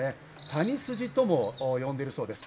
谷筋とも呼んでいるそうです。